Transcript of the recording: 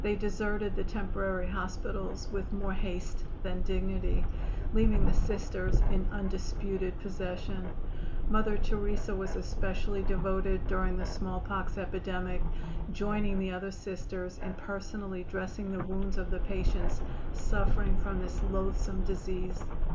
They deserted the temporary hospitals with more haste than dignity, leaving the Sisters in undisputed possession. Mother Teresa was especially devoted during the small pox epidemic, joining the other Sisters in personally dressing the wounds of the patients suffering from this loathsome disease.